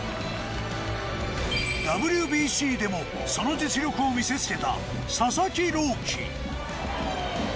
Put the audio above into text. ＷＢＣでもその実力を見せつけた佐々木朗希。